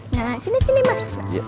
nah sini sini mas